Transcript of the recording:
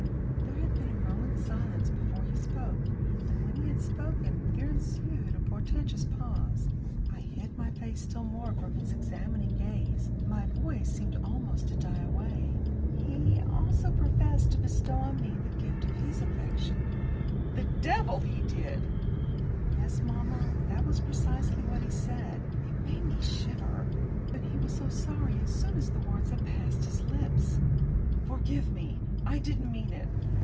There had been a moment's silence before he spoke. And, when he had spoken, there ensued a portentous pause. I hid my face still more from his examining gaze. My voice seemed almost to die away. "He, also, professed to bestow on me the gift of his affection." "The devil he did!" Yes, mamma, that was precisely what he said. It made me shiver. But he was sorry as soon as the words had passed his lips. "Forgive me! I didn't mean it!